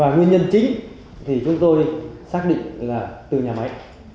nguyên nhân chính thì chúng tôi xác định là từ nhà máy